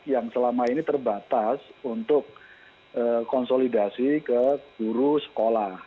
yang selama ini terbatas untuk konsolidasi ke guru sekolah